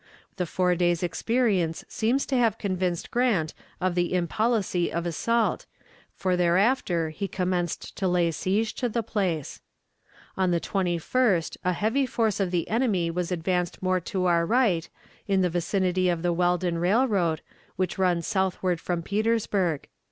The four days' experience seems to have convinced Grant of the impolicy of assault, for thereafter he commenced to lay siege to the place. On the 21st a heavy force of the enemy was advanced more to our right, in the vicinity of the Weldon Railroad, which runs southward from Petersburg.